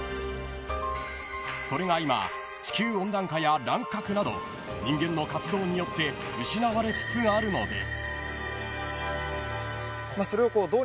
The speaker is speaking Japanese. ［それが今地球温暖化や乱獲など人間の活動によって失われつつあるのです］